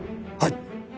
はい。